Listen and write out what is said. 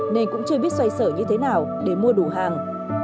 nên cũng chưa biết xoay sở như thế nào để mua đủ hàng